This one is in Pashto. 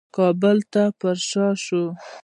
کابل ته پرشا شو.